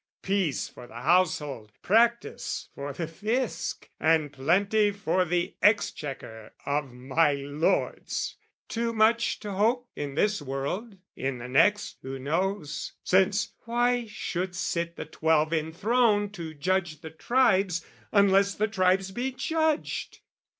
Peace for the household, practice for the Fisc, And plenty for the exchequer of my lords! Too much to hope, in this world: in the next, Who knows? Since, why should sit the Twelve enthroned To judge the tribes, unless the tribes be judged?